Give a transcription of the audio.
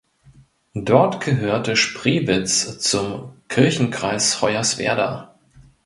Dort gehörte Spreewitz zum Kirchenkreis Hoyerswerda.